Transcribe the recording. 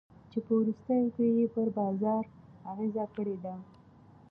چي په وروستیو کي ئې پر بازار اغېز کړی دی.